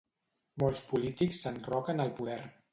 Molts polítics s'enroquen al poder.